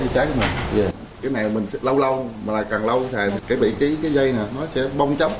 cái này mình sẽ lâu lâu mà càng lâu thì cái vị trí cái dây này nó sẽ bông chóc